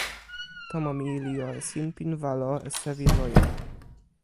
tomo mi li jo e sinpin walo e sewi loje.